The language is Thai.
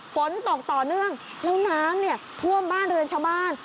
ฝนตกต่อเนื่องแล้วน้ำเนี่ยท่วมบ้านเรือนชาวบ้าน